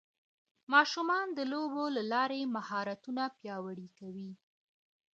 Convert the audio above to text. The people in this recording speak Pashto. ماشومان د لوبو له لارې مهارتونه پیاوړي کوي